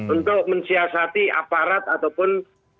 untuk mensiasati aparat ataupun